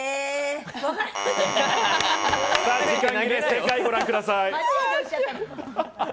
正解、ご覧ください。